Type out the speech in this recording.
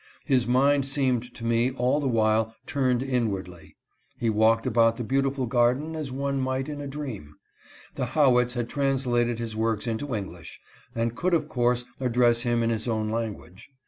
His mind seemed to me all the while turned inwardly. He walked about the beautiful garden as one might in a dream. The Howitts had translated his works into English, and could of course address him in his own language.